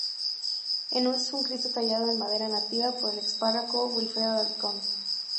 Es un cristo tallado en madera nativa por el ex párroco "Wilfredo Alarcón".